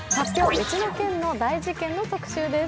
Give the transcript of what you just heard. ウチの県の大事ケン」の特集です。